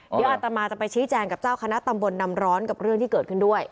เดี๋ยวอัตมาจะไปชี้แจงกับเจ้าคณะตำบลนำร้อนกับเรื่องที่เกิดขึ้นด้วย